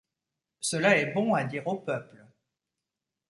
Cela est bon à dire au peuple.